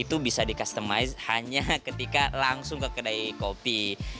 itu bisa di customize hanya ketika langsung ke kedai kopi